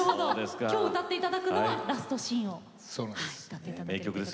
今日歌っていただくのは「ラスト・シーン」を歌っていただくということで。